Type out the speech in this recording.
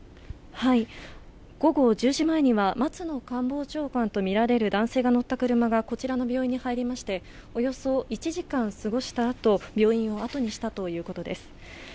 午後１０時前には松野官房長官とみられる男性が乗った車がこちらの病院に入りましておよそ１時間過ごしたあと病院をあとにしたということです。